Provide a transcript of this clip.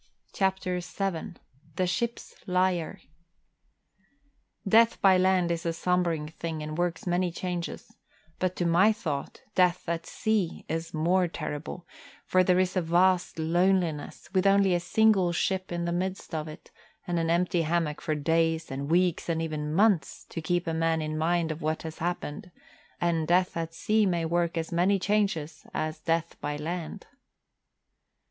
CHAPTER VII THE SHIP'S LIAR Death by land is a sobering thing and works many changes; but to my thought death at sea is more terrible, for there is a vast loneliness, with only a single ship in the midst of it, and an empty hammock for days and weeks and even months, to keep a man in mind of what has happened; and death at sea may work as many changes as death by land.